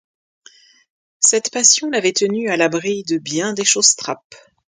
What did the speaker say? Cette passion l’avait tenu à l’abri de bien des chausse-trappes.